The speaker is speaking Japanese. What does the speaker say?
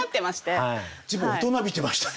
随分大人びてましたね。